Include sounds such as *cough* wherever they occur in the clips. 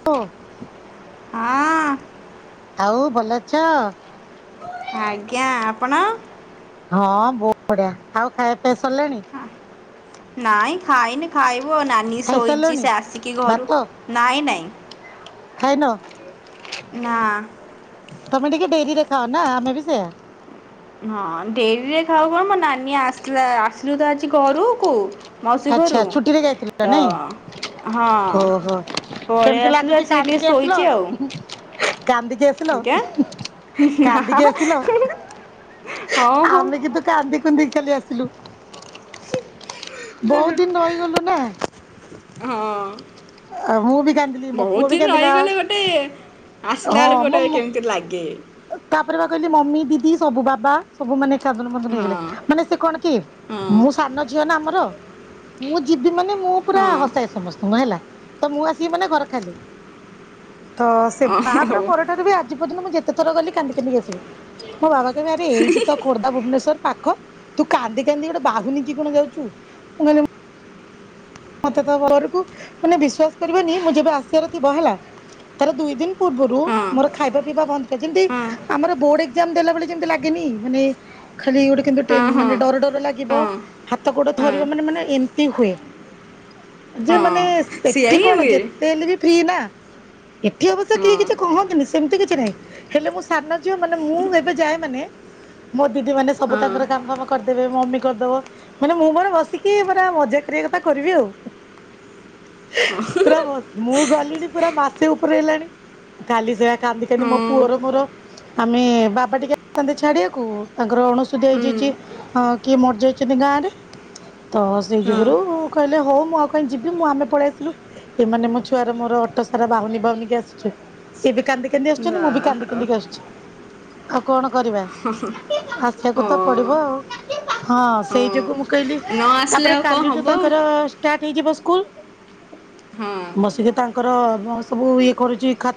*unintelligible* ଆଁ ଆଉ ଭଲ ଅଛ? ଆଜ୍ଞା ଆପଣ? ହଁ ବହୁତ ବଢିଆ ଆଉ ଖାଇବା ପିଇବା ସରିଲାଣି? ନାଇଁ ଖାଇନି ଖାଇବୁ ଆଉ ନାନୀ ଶୋଇଛି ଖାଇସାରିଲଣି? ସେ ଆସିକି ଭାତ ଘରୁ ନାଇଁ ନାଇଁ। ଖାଇନ ନା। ତମେ ଟିକେ ଡେରିରେ ଖାଅ ନା ଆମେ ବି ସେୟା। ହଁ ଡେରିରେ ଖାଉକୁ କଣ ମୋ ନାନୀ ଆସିଲା ଆସିଲୁ ତ ଆଜି ଘରୁକୁ। ମାଉସୀ ଆଚ୍ଛା ଘରୁ ଛୁଟିରେ ଯାଇଥିଲ ତ ନାଇଁ? ହଁ ଓହୋ। ପଳେଇ କେମିତି ଆସିଲି ଲାଗୁଛି ଆସିକି ଟିକେ କାନ୍ଦିକି ଆସିଲ? ଶୋଇଛି ଆଉ। କାନ୍ଦିକି ଆଜ୍ଞା *unintelligible* *unintelligible* ନା କାନ୍ଦିକି ଆସିଲ ହଁ ହଉ ଆମେ କିନ୍ତୁ କାନ୍ଦି କୁନ୍ଧିକି ଖାଲି ଆସିଲୁ। *unintelligible* ବହୁତ ଦିନ ରହିଗଲୁ ନା। ହଁ ମୁଁ ବି କାନ୍ଦିଲି ମୋ ପୁଅ ବହୁତ ବି ଦିନ କାନ୍ଦିଲା। ରହିଗଲେ ଗୋଟେ ଆସିଲା ହଁ ବେଳକୁ ଗୋଟେ ମୋ କେମିତି ଲାଗେ। ତାପରେ ବା କହିଲି ମମି ଦିଦି ସବୁ ବାବା ସବୁ ମାନେ ସାଧନ ପନ ହେଇଗଲେ ମାନେ ସେ କଣ କି ହଁ ମୁଁ ସାନ ଝିଅ ନା ଆମର ମୁଁ ଯିବି ମାନେ ମୁଁ ହଁ ପୁରା ହସେ। ସମସ୍ତଙ୍କ ହେଲା ତ ମୁଁ ଆସିକି ମାନେ ଘର ଖାଲି। ତ ସେ ହଁ ବାହାଘର ହଉ ପରଠାରୁ ବି ଆଜି ପର୍ଯ୍ୟନ୍ତ ମୁଁ ଯେତେ ଥର ଗଲି କାନ୍ଦି କାନ୍ଦିକି ଆସିବି। ହଁ ବାବା କହିବ ଆରେ ଏଇଠି ତ ଖୋର୍ଦ୍ଧା ଭୁବନେଶ୍ଵର ପାଖ ତୁ କାନ୍ଦି କାନ୍ଦି ଗୋଟେ ବାହୁନକି କଣ ଯାଉଚୁ *unintelligible* ମତେ ତ ଘରକୁ ମାନେ ବିଶ୍ୱାସ କରିବନି ମୁଁ ଯେବେ ଆସିବାର ଥିବ ହେଲା ତାର ଦୁଇ ଦିନ ପୂର୍ବରୁ ହଁ ମୋର ଖାଇବା ପିଇବା ବନ୍ଦ ହୁଏ ଯେମିତି ହଁ ଆମର ବୋଡ ଏଗଜାମ ଦେଲା ବଳେ ଯେମିତି ଲାଗେନି ମାନେ ଖାଲି ଗୋଟେ କିନ୍ତୁ ଟି ହଁ ହଁ ମାନେ ଡର ଡର ଲାଗିବ ହଁ ହାତ ଗୋଡ ହଁ ଧରିବ ମାନେ ମାନେ ଏମିତି ହୁଏ। ଯେ ମାନେ ହଁ ସେଇଆ ସେଠି ହିଁ କଣ ହୁଏ ଯେତେ ହେଲେ ବି ଫ୍ରି ନା। ଏଠି ଅବଶ୍ୟ କିଏ ହଁ କିଛି କହନ୍ତିନି ସେମିତି କିଛି ନାହିଁ ହେଲେ ମୁଁ ସାନ ଝିଅ ମାନେ ମୁଁ ଏବେ ଯାଏ ମାନେ ମୋ ଦିଦି ମାନେ ସବୁ ହଁ ତାଙ୍କର କାମ ଫାମ କରିଦେବେ ମମି କରିଦେବ ମାନେ ମୁଁ ମୋର ବସିକି ପୁରା ମଜା କରିବା କଥା। କରିବି ଆଉ ପୁରା ଭ ମୁଁ ଗଲିଣି ପୁରା ମାସେ ଉପରେ ହେଲାଣି କାଲି ସେ କାନ୍ଦି କାନ୍ଦି ମୋ ହଁ ପୁଅର ମୋର ଆମେ ବାବା ଟିକେ *inaudible* ଥାନ୍ତେ ଛାଡିବାକୁ ତାଙ୍କର ଅଣସୁ *unintelligible* ହୁଁ ହେଇଯାଇଛି ହଁ କିଏ ମରିଯାଇଛନ୍ତି ଗାଁ ରେ ତ ସେଇ ହଁ ଯୋଗୁରୁ କହିଲେ ହଉ ମୁଁ ଆଉ କ ଯିବି ମୁଁ ଆମେ ପଳେଇସିଲୁ। ଏମାନେ ମୋ ଛୁଆର ମୋର ଅଟୋ ସାରା ବାହୁନୀ ବାହୁନୀ ଆସିଚୁ ସିଏ ବି କାନ୍ଦି ସିଏବି ଆସୁଛନ୍ତି ମୁଁ ବି କାନ୍ଦି ଯାହା କାନ୍ଦିକି ହଉ ଆସୁଛି ଆଉ କଣ କରିବା। ଆସିବାକୁ ତ ହଁ ପଡିବ ଆଉ ହଁ ସେଇ ହଁ ଯୋଗୁ ମୁଁ କହିଲି ନ ଆସିଲେ ତାପରେ ଆଉ କ'ଣ କାଲିଠୁ ହବ ତା ଅ ଷ୍ଟାଟ ହେଇଯିବ ସ୍କୁଲ ହଁ ବସିକି ତା ତାଙ୍କର ସବୁ ଇଏ କରୁଛି ଖା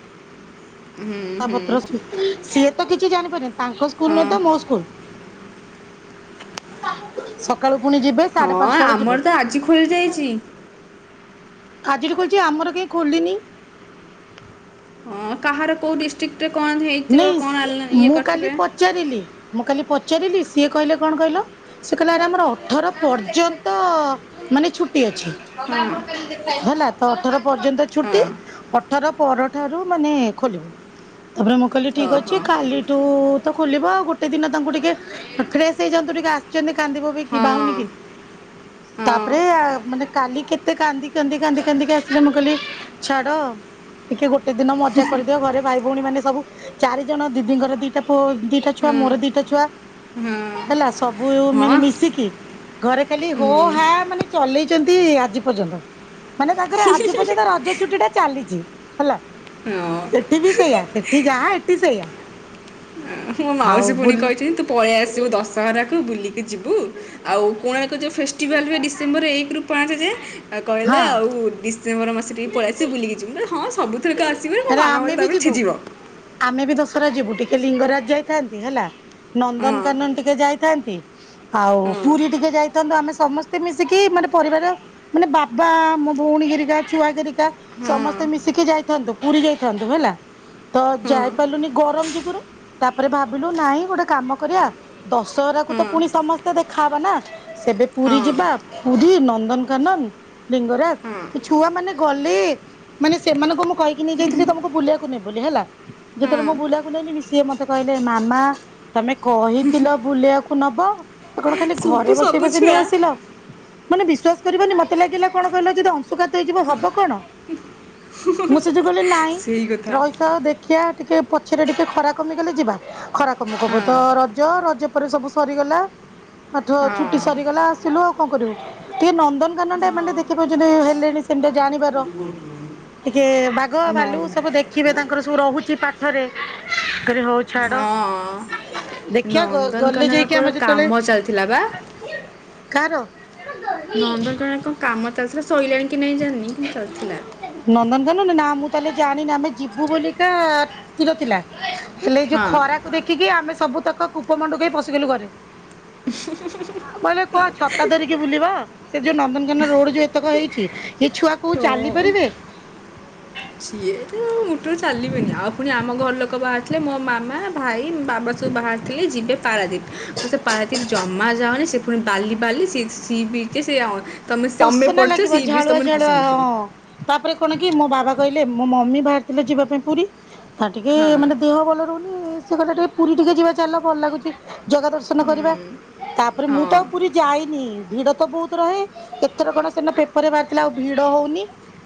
ହୁଁ ଖାତା ହୁଁ ପତ୍ର ସିଏ ତ କିଛି ଜାଣିପାରେନି ତାଙ୍କ ସ୍କୁଲ ହଁ ନୁହେଁତ ମୋ ସ୍କୁଲ। ସକାଳୁ ପୁଣି ଯିବେ। ସାଢେ ହଁ ପାଞ୍ଚଟା ବେଳୁ ଯିବେ ଆମର ତ ଆଜି ଖୋଲିଯାଇଛି। ଆଜିଠୁ ଖୋଲିଛି ଆମର କାହିଁ ଖୋଲିନି? ହଁ କାହାର କୋଉ ଡିଷ୍ଟ୍ରିକ୍ଟରେ କଣ ହେଇଥିବ ନାଇଁ କଣ ଆଲ ଇଏ ମୁଁ କାଲି କରିଥିବେ। ପଚାରିଲି ମୁଁ କାଲି ପଚାରିଲି ସିଏ କହିଲେ କଣ କହିଲ ସେ କହିଲା ଆମର ଅଠର ପର୍ଯ୍ୟନ୍ତ ମାନେ ଛୁଟି ଅଛି ହଁ ହେଲା ତ ଅଠର ପର୍ଯ୍ୟନ୍ତ ଛୁଟି। ହଁ ଅଠର ପରଠାରୁ ମାନେ ଖୋଲିବ। ତାପରେ ମୁଁ କହିଲି ଠିକ୍ ଓହୋ ଅଛି କାଲିଠୁ ତ ଖୋଲିବ ଆଉ ଗୋଟେ ଦିନ ତାଙ୍କୁ ଟିକେ ଫ୍ରେଶ ହେଇ ଜାନ୍ତୁ ଟିକେ ଆସିଛନ୍ତି କାନ୍ଦି ବୋବେଇକି ହଁ ବାହୁନି କି। ହଁ ତାପରେ ମାନେ କାଲି କେତେ କାନ୍ଦି କାନ୍ଦି କାନ୍ଦି କାନ୍ଦିିକି ଆସିଲେ ମୁଁ କହିଲି ଛାଡ ଟିକେ ଗୋଟେ ଦିନ ମଜା କରିଦିଅ ଘରେ ଭାଇ ଭଉଣୀ ମାନେ ସବୁ ଚାରି ଜଣ ଦିଦିଙ୍କର ଦିଟା ପୁଅ ଦିଟା ଛୁଆ ମୋର ହୁଁ ଦିଟା ଛୁଆ। ହଁ ହେଲା ସବୁ ମାନେ ହଁ ମିଶିକି। ଘରେ ଖାଲି ହୋ ହୁଁ ହା ମାନେ ଚଲେଇଛନ୍ତି ଆଜି ପର୍ଯ୍ୟନ୍ତ। ମାନେ ତାଙ୍କର ଆଜି ପର୍ଯ୍ୟନ୍ତ ରଜ ଛୁଟି ଟା ଚାଲିଛି ହେଲା। ସେଠି ବି ହଁ ସେଇଆ ସେଠି ଯାହା ଏଠି ସେଇଆ। ମୋ ଆଉ ମାଉସୀ ପୁଣି ବୁଲ କହିଛନ୍ତି ତୁ ପଳେଇ ଆସିବୁ ଦଶହରାକୁ ବୁଲି ଯିବୁ ଆଉ କୋଣାର୍କ ଯୋଉ ଫେଷ୍ଟିଭାଲ୍ ହୁଏ ଡିସେମ୍ବର ଏକରୁ ପାଞ୍ଚ ଯାଏ। ଆଉ ହଁ କହିଲା ଆଉ ଡିସେମ୍ବର ମାସ ଟିକେ ପଳେଇ ଆସିବୁ ବୁଲିକି ଯିବୁ। ମୁଁ କହିଲି ହଁ ସବୁ ଏଥର ଆସିବେ ଏବଂ ମୋ ଆରେ ମାମା ମତେ ଆମେ ବି ତାପରେ ଯିବୁ ଛେଚିବ। ଆମେ ବି ଦଶହରା ଯିବୁ ଟିକେ ଲିଙ୍ଗରାଜ ଯାଇଥାନ୍ତି ହେଲା ହଁ ନନ୍ଦନକାନନ ଟିକେ ଯାଇଥାନ୍ତି। ଆଉ ହଁ ପୁରୀ ଟିକେ ଯାଇଥାନ୍ତୁ ଆମେ ସମସ୍ତେ ମିଶିକି ମାନେ ପରିବାର ମାନେ ବାବା, ମୋ ଭଉଣୀ ହେରିକା ଛୁଆହେରିକା। ସମସ୍ତେ ହଁ ମିଶିକି ଯାଇଥାନ୍ତୁ ପୁରୀ ଯାଇଥାନ୍ତୁ ହେଲା। ତ ହଁ ଯାଇପାରିଲୁନି ଗରମ ଯୋଗୁରୁ ତ ତାପରେ ଭାବିଲୁ ନାଇଁ ଗୋଟେ କାମ କରିବା ଦଶହରା କୁ ହଁ ତ ପୁଣି ସମସ୍ତେ ଦେଖାହବା ନା ସେବେ ପୁରୀ ହଁ ଯିବା ପୁରୀ ନନ୍ଦନକାନନ ହଁ ଲିଙ୍ଗରାଜ ଏ ଛୁଆ ମାନେ ଗଲେ। ମାନେ ସେମାନଙ୍କୁ ମୁଁ କହିକି ନେଇ ଯାଇଥିଲି ତମକୁ ମୁଁ ବୁଲେଇ ବାକୁ ନେବି ବୋଲି ହେଲା। ଯେତେବେଳେ ହଁ ମୁଁ ବୁଲେଇ ବାକୁ ନେଲିନିସ ସିଏ ମତେ କହିଲେ ମାମା। ତମେ କହିଥିଲ ବୁଲେଇ ବାକୁ ନବ ଏ କଣ ଖାଲି ସବୁ ଘରେ ବସେଇ ସବୁ ବସେଇ ନେଇ ଛୁଆ ଆସିଲ। ମାନେ ବିଶ୍ୱାସ କରିବନି ମତେ ଲାଗିଲା କଣ କହିଲ ଯଦି ଅଂଶୁଘାତ ହେଇଯିବ ହବ କଣ। ମୁଁ ସେ ଯୋଗୁ କହିଲି ନାଇଁ ସେଇ କଥା ରହିଥାଅ ଦେଖିବା ଟିକେ ପଛରେ ଟିକେ ଖରା କମିଗଲେ ଯିବା। ଖରା କମୁ କମୁ ହଁ ତ ରଜ ରଜ ପରେ ସବୁ ସରିଗଲା। ପାଠ ଛୁଟି ହଁ ସରିଗଲା ଆସିଲୁ ଆଉ କଣ କରିବୁ। ଟିକେ ନନ୍ଦନକାନନ ଟା ହଁ ଏମାନେ ଦେଖି ପାରୁଛନ୍ତି ହେଲେଣି ସେମିତି ଜାଣିବାର। ଟିକେ ବାଘ ଭାଲୁ ସବୁ ନ ଦେଖିବେ ତାଙ୍କର। ଯୋଉ ରହୁଛି ପାଠରେ ମୁଁ କହିଲି ହଉ ଛାଡ ହଁ ଦେଖ ଖିବା ଗ ଗଲେ ଯାଇକି ନନ୍ଦନକାନନଙ୍କର ଆମେ କାମ ଚାଲିଥିଲା ବା ଯେତେବେଳେ କାହାର। ନନ୍ଦନକାନନ ରେ କଣ କାମ ଚାଲିଥିଲା ସଇଲାଣି କି ନାଇଁ ଜାଣିନି କିନ୍ତୁ ଚାଲିଥିଲା। ନନ୍ଦନକାନନ ରେ ନା ମୁଁ ତାହେଲେ ଜାଣିନି ଆମେ ଯିବୁ ବୋଲିିକା। ସ୍ତିର ଥିଲା ହେଲେ ଏ ଯୋଉ ହଁ ଖରାକୁ ଦେଖିକି ଆମେ ସବୁ ତକ କୂପ ମଣ୍ଡକୁ କେ ପଶିଗଲୁ ଘରେ। *inaudible* ଆ ମାନେ କଁ ଛତା ଧରିକି ବୁଲିବ ସେ ଯୋଉ ନନ୍ଦନକାନନ ରୋଡ ଯୋ ଏତକ ହେଇ ଚି ଏ ଛୁଆ ତ କୋଉ ଚାଲି ପାରିବେ। ସିଏ ତ ମୁଟୁରୁ ଚାଲିବେନି ଆଉ ପୁଣି ଆମ ଘର ଲୋକ ବାହାରିଥିଲେ ମୋ ମାମା ଭାଇ। ବାବା ସବୁ ବାହାରିଥିଲେ ଯିବେ ପାରାଦୀପ ମୁଁ ସେ ପାରାଦୀପ ଜ ଜମା ଯାଅନି ସେ ପୁଣି ବାଲି ବାଲି ସି ସି ବୀଚ ସିଏ ଅ ପସନା ଲାଗିବ ଝାଳୁଆ ଝାଳୁଆ ନେଇଯିବ ହଁ। ତାପରେ କଣ କି ମୋ ବାବା କହିଲେ ମୋ ମମି ବାହାରିଥିଲା ଯିବା ପାଇଁ ପୁରୀ। ତାର ଟିକେ ହଁ ମାନେ ଦେହ ଭଲ ରହୁନି। ସେ କହିଲା ଟିକେ ପୁରୀ ଟିକେ ଯିବା ଚାଲ ଭଲ ଲାଗୁଚି ଜଗା ଦର୍ଶନ କରିବା। ତାପରେ ମୁଁ ହଁ ତ ଆଉ ପୁରୀ ଯାଇନି ଭିଡ ତ ବହୁତ ରହେ। ଏଥର କଣ ସେଦିନ ପେପର ରେ ବାହାରିଥିଲା ଆଉ ଭିଡ ହଉନି।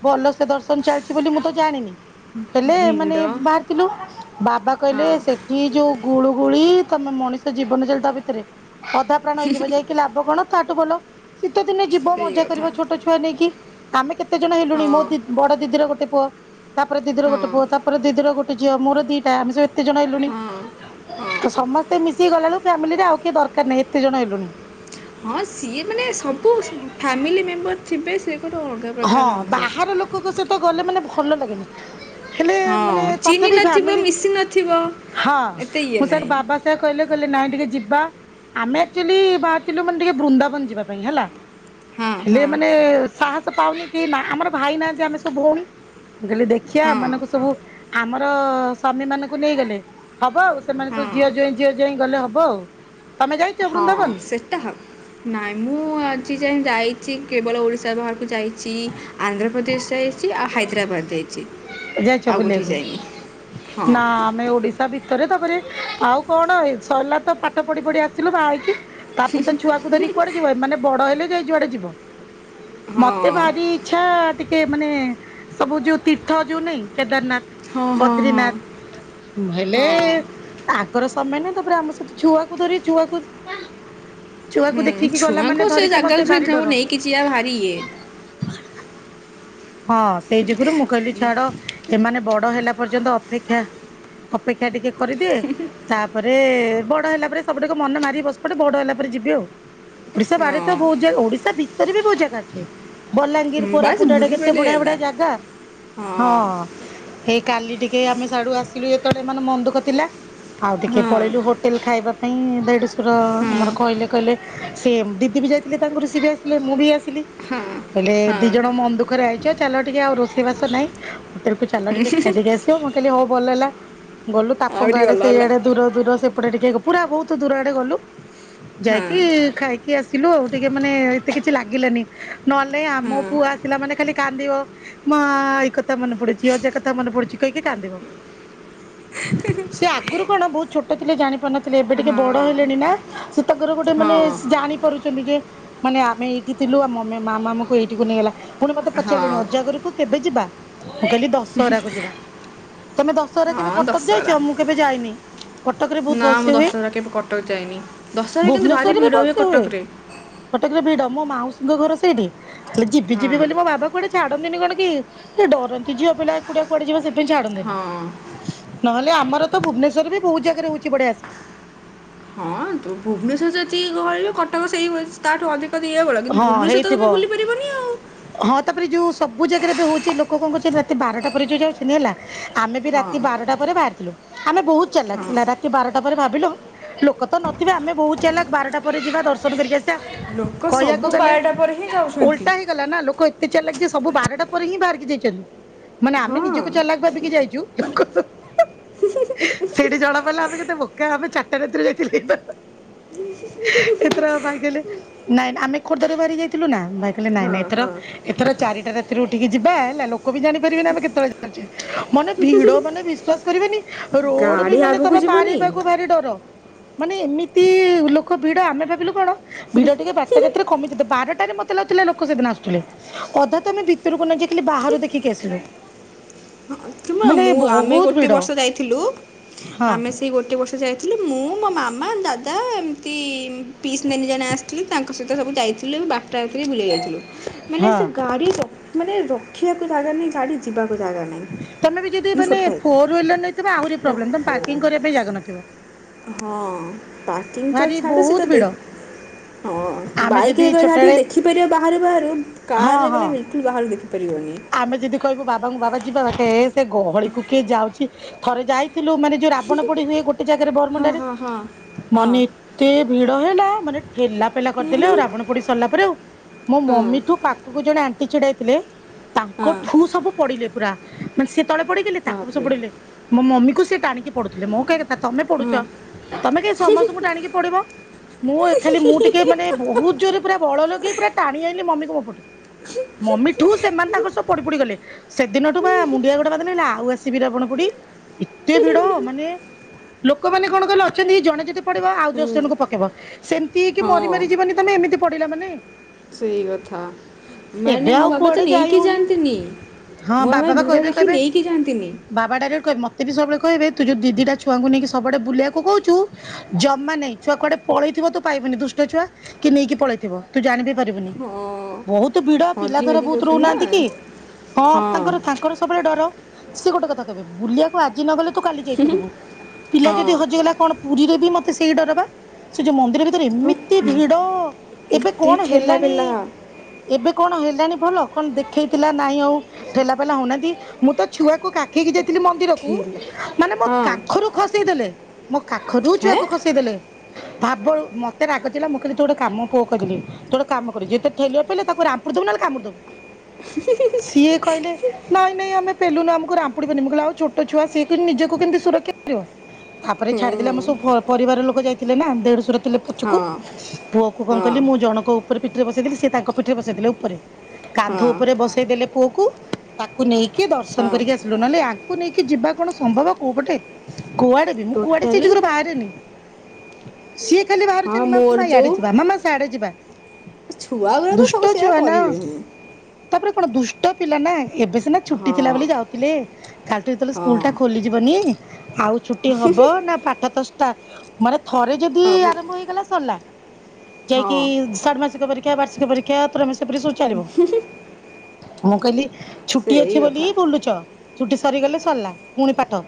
ଭଲ ସେ ଦର୍ଶନ ଚାଲଚି ବୋଲି ମୁଁ ତ ଜାଣିନି। ହେଲେ ମାନେ ଭିଡ଼ ବାହାରି। ଥିଲୁ ବାବା କହିଲେ ହଁ ସେଠି ଯୋଉ ଗୁଳୁ ଗୁଳି ତମେ ମଣିଷ ଜୀବନ ଚାଲି ଯିବ ତା ଭିତରେ। ଅଧା ପ୍ରାଣ ହେଇଯିବ ଯାଇକି ଲାଭ କଣ ତାଠୁ ଭଲ ଶୀତ ଦିନେ ଯିବ ସେଇ ମଜା କଥା କରିବ ଛୋଟ ଛୁ ଛୁଆ ନେଇକି ଆମେ କେତେ ଜଣ ହେଲୁଣି ହଁ ମୋ ଦିଦ ବଡ ଦିଦିର ଗୋଟେ ପୁଅ। ତା ପରେ ଦିଦିର ହଁ ଗୋଟେ ପୁଅ ତା ପରେ ଦିଦିର ଗୋଟ ଝିଅ ମୋର ଦିଟା ଆମେ ସବୁ ଏତେ ଜଣ ହେଲୁଣି। ହଁ ହଁ ତ ସମସ୍ତେ ମିଶିକି ଗଲା ବେଳକୁ ଫ୍ୟାମିଲି ରେ ଆଉ କିଏ ଦରକାର ନାହିଁ ଏତେ ଜଣ ହେଲୁଣି। ହଁ ସିଏ ମାନେ ସବୁ ସ ଫ୍ୟାମିଲି ମେମ୍ବର ଥିବେ ସିଏ ଗୋଟେ ଅଲ ହଁ ବାହାର ଲୋକଙ୍କ ସେହିତ ଗଲେ ମାନେ ଭଲ ଲାଗେନି। ହେଲେ ହଁ ମାନେ ଚିହ୍ନି ତଥାପି ନଥିବ ଫ୍ୟାମିଲୀ ମିଶି ନଥିବ ହାଁ ଏତେ ଇଏ ମୁଁ ସେଇଆ କ ନାହିଁ ବାବା ସେ ସେଇଆ କହିଲେ କହିଲେ ନାଇଁ ଟିକେ ଯିବା। ଆମେ ଆକ୍ଚୁଲି ବାହାରି ଥିଲୁ ମାନେ ଟିକେ ବୃନ୍ଦାବନ ଯିବା ପାଇଁ ହେଲା। ହଁ ହେଲେ ହଁ ମାନେ ସାହସ ପାଉନି କେଇ ନା ଆମର ଭାଇ ନାହାନ୍ତି ଆମେ ସବୁ ଭଉଣୀ। ମୁଁ କହିଲି ଦେଖିଆ ହଁ ଏମାନଙ୍କୁ ସବୁ ଆମର ସ୍ୱାମୀ ମାନକୁ ନେଇଗଲେ। ହବ ଆଉ ସେମାନେ ସବୁ ହଁ ଝିଅ ଜ୍ୱାଇଁ ଝିଅ ଜ୍ୱାଇଁ ଗଲେ ହବ ଆଉ ତମେ ଯାଇ। ହଁ ସେଟା ହବ ନାଇଁ ମୁଁ ଆଜି ଯାଏଁ ଯାଇଚି କେବଳ ଓଡ଼ିଶା ବାହାରକୁ ଯାଇ ଚି ଆନ୍ଧ୍ରପ୍ରଦେଶ ଯାଇଚି ଆଉ ହାଇଦ୍ରାବାଦ ଯାଇଚି। ଯାଇଛ ଆଉ କୋଉଠିକି ଯାଇନି ହଁ। ନାଇଁ ଓଡିଶା ଭିତରେ ତାପରେ ଆଉ କଣ ଏଇ ସରିଲା ତ ପାଠ ପଢି ପଢି ଆସିଲୁ ବାହା ହେଇକି। ତାପରେ ତ ଛୁଆକୁ ଧରିକି କୁଆଡେ ଯିବ ଏମାନେ ବଡ ହେଲେ ଯାଇ ଯୁଆଡେ ଯିବ। ହଁ ମତେ ଭାରି ଇଚ୍ଛା ଟିକେ ମାନେ ସବୁ ଯୋଉ ତୀର୍ଥ ଯୋଉ ନାଇଁ କେଦାରନାଥ। ହଁ-ହଁ-ହଁ। ହୁଁ ହେଲେ। ଆଙ୍କର ସମୟ ନାହିଁ ତାପରେ ଆମ ସହିତ ଛୁଆକୁ ଧରି ଛୁଆକୁ। ଛୁଆକୁ ଉଁ ଦେଖିକି ଗଲା ମାନେ ଛୁଆଙ୍କୁ ସେ ଧରିକି ମତେ ଜାଗାକୁ ଭାରି ସେକୁ ଡର ନେଇକି ଯିବା ଭାରି ଇଏ। *inaudible* ହଁ ସେଇ ଯୋଗୁରୁ ମୁଁ କହିଲି ଛାଡ ଏମାନେ ବଡ ହେଲା ପର୍ଯ୍ୟନ୍ତ ଅପେକ୍ଷା ଅପେକ୍ଷା ଟିକେ କରିଦିଏ। ତାପରେ ବଡ ହେଲା ପରେ ସବୁଠିକୁ ମନ ମାରିକି ବସିପଟେ ବଡ ହେଲା ପରେ ଯିବି ଆଉ। ଓଡ଼ିଶା ବାହାରେ ତ ହଁ ବହୁତ ଜାଗା ଓଡ଼ିଶା ଭିତରେ ବି ବହୁତ ଜାଗା ଅଛି। ବଲାଙ୍ଗୀର ବାସ୍ କୋରାପୁଟ ଆଡ଼େ କେତେ ବୁଲିଗଲେ ବଢିଆ ହେଲା ବଢିଆ ଜାଗା ହଁ। ହେଇ କାଲି ଟିକେ ଆମେ ସାଡୁ ଆସିଲୁ ଯେତେବେଳେ ମାନେ ମନ୍ ଦୁଃଖ ଥିଲା। ଆଉ ଟିକେ ହଁ ପଳେଇଲୁ ହୋ ଟେଲ୍ ଖାଇବା ପାଇଁ ଦେଢ଼ଶୁର ହଁ ଆମର କହିଲେ କହିଲେ ସେ ଦିଦି ବି ଯାଇଥିଲେ ତାଙ୍କ ରୁଷି ବି ଆସିଲେ ମୁଁ ବି ଆସିଲି ହଁ କଇଲେ ଦି ଜଣ ହଁ ମନ ଦୁଃଖରେ ଆଇଚ ଚାଲ ଟିକେ ଆଉ ରୋଷେଇ ବାସ ନାଇ ହୋଟେଲ କୁ ଚାଲ ଟିକେ ଖାଇଦେଇକି ଆସିବ। ମୁଁ କହିଲି ହୋଉ ଭଲ ହେଲା। ଗଲୁ ତାପଙ୍ଗ ଆହୁରି ଆଡେ ଭଲ ହେଲା ସେଇଆଡେ ଦୂର ଦୂର ସେପଟେ ଟିକେ ପୁରା ବହୁତ ଦୂର ଆଡେ ଗଲୁ। ହଁ ଯାଇକି ଖାଇକି ଆସିଲୁ ଆଉ ଟିକେ ମାନେ ଏତେ କିଛି ଲାଗିଲାନି। ନଅଲେନାଇଁ ଆମୋ ପୁଅ ଆସିଲା ମାନେ ଖାଲି କାନ୍ଦିବ। ମା ଆଇ କଥା ମନେ ପଡୁଚି ଅଜା କଥା ମନେ ପଡୁଚି କହିକି କାନ୍ଦିବ। ସେ ଆଗୁରୁ କଣ ବହୁତ ଛୋଟ ଥିଲେ ଜାଣି ପାରୁନଥିଲେ ଏବେ ଟିକେ ହଁ ବଡ ହେଲେଣି ନା। ସେ ତାଙ୍କର ଗୋଟେ ହଁ ମାନେ ହଁ ସେ ଜାଣିପାରୁଚନ୍ତି ଯେ ମାନେ ଆମେ ଏଇଠି ଥିଲୁ ଆମ ମେ ମାମା ଆମକୁ ଏଇଠିକୁ ନେଇଗଲା ପୁଣି ମତେ ପଚାରିଲେଣି ହଁ ଅଜା ଘରକୁ କେବେ ଯିବା। ମୁଁ କହିଲି ଦ ଶହରା କୁ ଯିବା ତମେ ଦଶହରା କେବେ ହଁ କଟକ ଯାଇଚ? ଦଶହରା ମୁଁ କେବେ ଯାଇନି। କଟକ ରେ ବହୁତ ନା ବଲସେ ମୁଁ ହୁଏ ଦଶହରା କେବେ କଟକ ଯାଇନି ଦଶହରା କିନ୍ତୁ ଭାରି ଭୁବନେଶ୍ଵରରେ ବି ଭିଡ଼ ବଲସ ହୁଏ। କଟକରେ କଟକରେ ଭିଡ ମୋ ମାଉସୀଙ୍କ ଘର ସେଇଠି ହେଲେ ଯିବି ହଁ ଯିବି ବୋଲି ମୋ ବାବା କୁଆଡେ ଛାଡନ୍ତିନି କଣ କି ସେ ଡରନ୍ତି ଝିଅ ପିଲା ଏକୁଟିଆ କୁଆଡେ ଯିବା ସେଇଥିପାଇଁ ଛାଡନ୍ତିନି। ହଁ ନହେଲେ ଆମର ତ ଭୁବନେଶ୍ୱର ବି ବହୁତ ଜାଗାରେ ହୋଉଛି ବଢ଼ିଆ ସେ ହଁ, ଭୁବନେଶ୍ୱର ଯେତିକି ଗହଳି କଟକ ସେଇ ତାଠୁ ଅଧିକ ଇଏ ଭଳ କିନ୍ତୁ ହଁ ଭୁବନେଶ୍ୱର ତ ତମେ ହେଇଥିବ ବୁଲି ପାରିବନି ଆଉ? ହଁ ତାପରେ ଯୋଉ ସବୁ ଜାଗାରେ ବି ହୋଉଛି ଲୋକ କଣ କରୁଛନ୍ତି ରାତି ବାରଟା ପରେ ଯୋଉ ଯାଉଛନ୍ତି ହେଲା ଆମେ ବି ହଁ ରାତି ବାରଟା ପରେ ବାହାରିଥିଲୁ ଆମେ ବହୁତ ହଁ ଚାଲାଖ ରାତି ବାରଟା ପରେ ଭାବିଲୁ ଲୋକ ତ ନଥିବେ ଆମେ ବୋହୁତ ଚାଲଖ୍ ବାରଟା ପରେ ଯିବା ଦର୍ଶନ କରିକି ଆସିବା ଲୋକ ସବୁ ବାରଟା ପରେ ହିଁ ଯାଉଛନ୍ତି। ଗଲା ନା ଲୋକ ଏତେ ଚାଲାଖ ଯେ ସବୁ ବାରଟା ପରେ ହିଁ ବାହାରିକି ଯାଇଛନ୍ତି। ମାନେ ଆମେ ନିଜକୁ ହଁ ଚଲାଖ୍ ଭାବିକି ଯାଇଛୁ ଲୋକ ସବୁ ସେଇଠି ଜଣା ପଇଲା ଆମେ କେତେ ବୋକା ଆମେ ଚାରିଟା ରାତିରେ ଯାଇଥିଲେ ହେଇଥାନ୍ତା ଏଥର ଭାଇ କହିଲେ ନାଇ ଆମେ ଖୋର୍ଦ୍ଧା ଯୋଉ ବାହାରିକି ଯାଇଥିଲୁ ନା ଭାଇ କହିଲେ ନାଇଁ ହଁ ନାଇଁ ଏଥର ହଁ ଏଥର ଚାରିଟା ରାତିରୁ ଉଠିକି ଯିବା ହେଲା ଲୋକ ବି ଜାଣିପାରିବେନି ଆମେ କେତେବେଳେ ଯାଉଛେ ମାନେ ଭିଡ ମାନେ ବି ବିଶ୍ୱାସ କରିବେନି ରୋଡ ବି ଗାଡି ମାନେ ଆଗକୁ ତମେ ପାର ଯିବନି। ହେବାକୁ ଭାରି ଡର ମାନେ ଏମିତି ଲୋକ ଭିଡ ଆମେ ଭାବିଲୁ କଣ ଭିଡ ଟିକେ ବାରଟା ରାତିରେ କମିଯିବେ ବାରଟାରେ ମତେ ଲାଗୁଥିଲା ଲୋକ ସେଦିନ ଆସୁଥିଲେ। ଅଧା ତ ଆମେ ଭିତରକୁ ନ ଯାଇକି ବାହାର ଦେଖିକି ଆସିଲୁ। ମାନେ ମୁଁ ଆମେ ବହୁତ ଗୋଟେ ଭିଡ ବର୍ଷ ଯାଇଥିଲୁ ହଁ ଆମେ ସେଇ ଗୋଟେ ବର୍ଷ ଯାଇଥିଲି ମୁଁ ମୋ ମାମା, ଦାଦା ଏମିତି ପିସ୍ ନାନି ଜଣେ ଆସିଥିଲେ ତାଙ୍କ ସହିତ ସବୁ ଯାଇଥିଲୁ ଏଇ ବାରଟା ରାତିରେ ବୁଲିବାକୁ ଯାଇଥିଲୁ ମାନେ ହଁ ସେ ଗାଡିଟା ମାନେ ରଖିବାକୁ ଜାଗା ନାହିଁ ଗାଡ଼ି ଯିବାକୁ ଜାଗା ନାହିଁ। ତମେ ବି ଯଦି ମୁଁ ମାନେ ଛୋଟ ଭାଇ ଫୋର ୱିଲର ନେଇଥିବ ଆହୁରି ପ୍ରୋବ୍ଲେମ ତମେ ପାର୍କିଂ କରିବା ପାଇଁ ଜାଗା ନଥିବ। ହଁ ପାର୍କିଂ ତ ଭାରି ଛାଡ ବହୁତ ସେଟା ଦେ ଭିଡ ହଁ ଆମେ ବାଇକ୍ ଯଦି ହେଇଥିଲେ ଯାହା ଛୋଟବେଳେ ଟିକେ ଦେଖିପାରିବା ବାହାରୁ ବାହାରୁ ହଁ କାରରେ ହଁ ଗଲେ ବିଲକୁଲ୍ ବାହାରୁ ଦେଖିପାରିବନି। ଆମେ ଯଦି କହିବୁ ବାବାଙ୍କୁ ବାବା ଯିବା ହେ ସେ ଗହଳି କୁ କିଏ ଯାଉଛି? ଥରେ ଯାଇଥିଲୁ ମାନେ ଯୋଉ ରାବଣ ପୋଡି ହୁଏ ଗୋଟେ ଜାଗାରେ ହଁ ବରମୁଣ୍ଡାରେ ହଁ ହଁ ହଁ ମାନେ ଏତେ ଭିଡ ହେଲା ମାନେ ଠେଲା ଫେଲା କରିଦେଲେ ଆଉ ରାବଣ ପୋଡି ସରିଲା ପରେ ଆଉ। ମୋ ହଁ ମମିଠୁ ପାଖକୁ ଜଣେ ଆଣ୍ଟି ଛିଡାହେଇଥିଲେ ତାଙ୍କ ହଁ ଠୁ ସବୁ ପଡିଲେ ପୁରା ମାନେ ସିଏ ତଳେ ପଡିଗଲେ ତାଙ୍କୁବି ସେ ବାପରେ ପଢିଲ ମୋ ମମିକୁ ସେ ଟାଣିକି ପଡୁଥିଲେ ମୋ କହିବା କଥା ତମେ ପଡୁଛ ହଁ ତମେ କାଇଁ ସମସ୍ତଙ୍କୁ ଟାଣିକି ପଡିବ। ମୁଁ ଏ ଖାଲି ମୁଁ ଟିକେ ମାନେ ବହୁତ ଜୋରେ ପୁରା ବଳ ଲଗେଇ ପୁରା ଟାଣି ଆଇଲିି ମମିକୁ ମୋ ପଟକୁ। ମମି ଠୁ ସେମାନେ ତାଙ୍କ ସବୁ ପଡି ପୁଡିଗଲେ। ସେଦିନଠୁ ବା ମୁଣ୍ଡିଆ ଗୋଟେ ମାରିଦେଲି ଆଉ ଆସିବି ରାବଣ ପୁଡି ଏତେ ଭିଡ ମାନେ ଲୋକମାନେ କଣ କହିଲ ଅଛନ୍ତି ଜଣେ ଯ ଦି ପଡିବ ଆଉ ଦଶ ହୁଁ, ଜଣଙ୍କୁ ପକେଇବ ସେମିତି ହେଇକି ହଁ ମରି ମାରି ଯିବନି ତମେ ଏମିତି ପଡିଲା ମାନେ। ସେଇ କଥା ଏବେ ମାନେ ମୋ ଆଉ ବାବା ତ କୁଆଡେ ଯାଇ ନେଇକି ହଉନି ଯାଆନ୍ତିନି। ହଁ ମୋ ବାବା ଏ ବା ଭିଡ଼ କହିବେ ଦେଖିକି କହିବେ ନେଇକି ଯାଆନ୍ତିନି। ବାବା ଡାଇରେକଟ କହିବେ ମତେ ବି ସବୁବେଳେ କହିବେ ତୁ ଯଉ ଦି ଦିଟା ଛୁଆଙ୍କୁ ନେଇି ସବୁଆଡ଼େ ବୁଲେଇବାକୁ କହୁଚୁ ଜମା ନାଇଁ ଛୁଆ କୁଆଡେ ପଳେଇଥିବ ତୁ ପାଇବୁନି ଦୁଷ୍ଟ ଛୁଆ। କିଏ ନେଇକି ପଳେଇଥିବ ତୁ ଜାଣି ବିି ପାରିବୁନି। ହଁ ବହୁତ ଭିଡ ପିଲା ହଜି ଧରା ହଜି ବହୁତ ଯାଉଛନ୍ତି ନା ରହୁନାହାନ୍ତି କି ହଁ ତାଙ୍କର ତ ତାଙ୍କର ସବୁବେଳେ ଡର ସେ ଗୋଟେ କଥା କହିବେ ବୁଲିବାକୁ ହଉ ଆଜି ନଗଲେ ତୁ କାଲି ଯାଇପାରିବୁ ପିଲା ଯଦି ହଁ ହଜିଗଲା କଣ ପୁରୀରେ ବି ମୋତେ ସେଇ ଡରବା ସେ ଯଉ ମନ୍ଦିର ଭି ତରେ ଏମିତି ବାପରେ, ଭିଡ ଏବେ ଏତେ କଣ ଠେଲା ହେଲାଣି ପେଲା ଏବେ କଣ ହେଲାଣି ଭଲ କଣ ଦେଖେଇଥିଲା ନାଇଁ ଆଉ ଠେଲା ପେଲା ହଉନାହାନ୍ତି ମୁଁ ତ ଛୁଆକୁ କା ଖେଇ କି ଯାଇଥିଲି ମନ୍ଦିରକୁ ଠେଲା ମାନେ ମୋ ହଁ କାଖରୁ ଖସେଇଦେଲେ ଖୋଜୁ ହେଁ ଛୁଆକୁ ଖସେଇ ଦେଲେ ଭାବ ମତେ ରାଗ ଚିଡ଼ିଲା ମୁଁ କହିଲି ତୁ ଗୋଟେ କାମ ପୁଅକୁ କହିଦେଲି ତୁ ଗୋଟେ କାମ କରେ ଯିଏ ତତେ ଠେଲିବ ପେଲିବ ତାକୁ ରାମପୁଡି ଦବୁ ନହେଲେ କାମୁଡି ଦବୁ ସିଏ କହିଲେ ନାଇଁ ନାଇଁ ଆମେ ପେଲୁନୁ ଆମକୁ ରାପୁଡିବନି ମୁଁ କହିଲି ଆଉ ଛୋଟ ଛୁଆ ସିଏ କିନ୍ ନିଜକୁ କେମିତି ସୁରକ୍ଷା କରିବ। ତାପରେ ହୁଁ, ଛାଡିଦେଲେ ଆମର ସବୁ ଫ ପରିବାର ଲୋକ ଯାଇଥିଲେ ନା ଦେଢଶୁର ଥିଲେ ପଛକୁ। ହଁ ପୁଅ କୁ କଣ ହଁ କଲିି ମୁଁ ଜଣଙ୍କ ଉପରେ ପିଠିରେ ବସେଇଦେଲି ସିଏ ତାଙ୍କ ପିଠିରେ ବସେଇଦେଲେ ଉପରେ। କାନ୍ଧ ହଁ ଉପରେ ବସେଇ ଦେଲେ ପୁଅକୁ ତାକୁ ନେଇକି ହଁ ଦର୍ଶନ କରିକି ଆସିଲୁ ନହେଲେ ଆ କୁ ନେଇକି ଯିବା କଣ ସମ୍ଭବ କୋଉପଟେ କୁଆଡେ ବି ମୁଁ କୁଆଡେ ସେଇ ଟୋଟାଲି ଯୁଗରୁ ବାହାରେନି ସିଏ ଖାଲି ହଁ ବାହାରୁଛନ୍ତି ମାମାା ମୋର ଇଆଡେ ଯିବା ମାମା ସିଆଡେ ଯିବା। ଛୁଆ ଗୁରା ତ ଦୁଷ୍ଟ ସବୁ ସେଆ ଛୁଆ ନା କରିବେ ହିଁ। ତାପରେ କଣ ଦୁଷ୍ଟ ପିଲା ନା। ଏବେ ସିନା ଛୁଟି ହଁ ଥିଲା ବୋଲି ଯାଉଥିଲେ କାଲି ଠୁ ଯେତେବେଳେ ହଁ ସ୍କୁଲ ଟା ଖୋଲିଯିବନି ଆଉ ଛୁଟି ହବ ନା ପାଠ ତ ଷ୍ଟାର୍ଟ ମାନେ ଥରେ ଯଦି ସବୁ ଆରମ୍ଭ ହେଇଗଲା ସରିଲା। ହଁ ଯାଇକି ଷା଼ଡ଼୍ ମାସିକ ପରୀକ୍ଷା ବାର୍ଷିକ ପରୀକ୍ଷା *unintelligible* ପରୀକ୍ଷା ସବୁ ଚାଲିବ। ମୁଁ କହିଲି ଛୁଟି ସେଇ ଅଛି ବୋଲି କଥା ବୁଲୁଛ। ଛୁଟି ସରିଗଲେ ସରିଲା ପୁଣି ପାଠ।